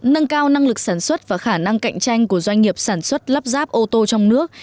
nâng cao năng lực sản xuất và khả năng cạnh tranh của doanh nghiệp sản xuất lắp ráp ô tô trong nước